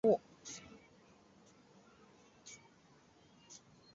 反应连接了两个羰基底物化合物。